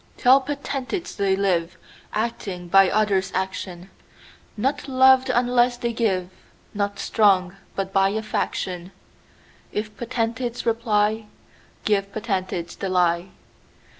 Tell potentates, they liveActing by others' action; Not loved unless they give, Not strong, but by a faction:If potentates reply, Give potentates the lie.